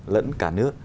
lẫn cả nước